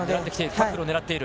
タックルを狙っている。